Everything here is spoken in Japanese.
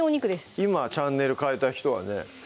今チャンネル変えた人はね